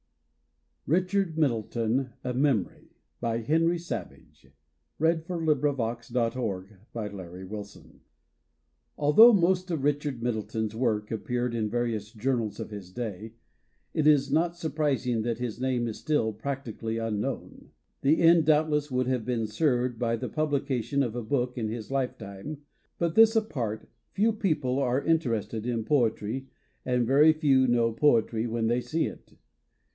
for permission to reproduce these poems in book form. H. S. vii RICHARD MIDDLETON A MEMORY ALTHOUGH most of Richard Middleton's work appeared in various journals of his day, it is not surprising that his name is still practically unknown. The end doubtless would have been served by the publication of a book in his lifetime but, this apart, few people are interested in poetry and very few know poetry when they see it.